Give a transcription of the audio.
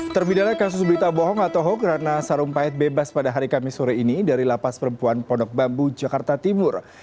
terpidana kasus berita bohong atau hoax ratna sarumpait bebas pada hari kamis sore ini dari lapas perempuan pondok bambu jakarta timur